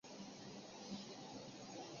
前辈艺术家